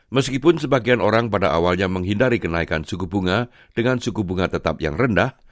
meskipun sebagian orang pada awalnya menghindari kenaikan suku bunga dengan suku bunga tetap yang rendah